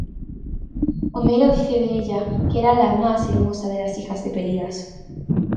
Homero dice de ella que era la más hermosa de las hijas de Pelias.